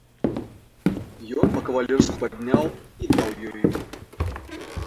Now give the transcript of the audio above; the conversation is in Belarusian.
Ён па-кавалерску падняў і даў ёй.